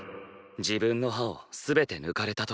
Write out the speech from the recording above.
自分の歯を全て抜かれた時。